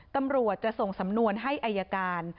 ตำรวจจะส่งสำนวนให้อายการ